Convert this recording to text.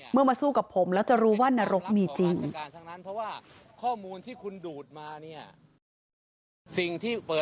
มาสู้กับผมแล้วจะรู้ว่านรกมีจริง